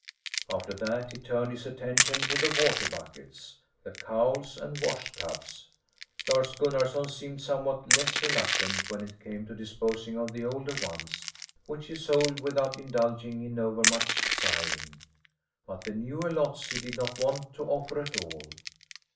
After that he turned his attention to the water buckets, the cowls, and washtubs. Lars Gunnarson seemed somewhat less reluctant when it came to disposing of the older ones, which he sold without indulging in overmuch sighing; but the newer lots he did not want to offer at all.